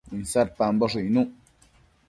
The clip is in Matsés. Uinsadpamboshë icnuc